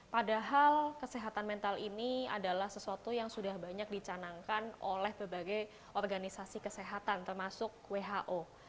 padahal kesehatan mental ini adalah sesuatu yang sudah banyak dicanangkan oleh berbagai organisasi kesehatan termasuk who